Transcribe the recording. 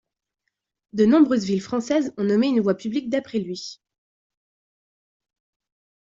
De nombreuses villes françaises ont nommé une voie publique d'après lui.